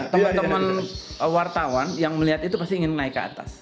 teman teman wartawan yang melihat itu pasti ingin naik ke atas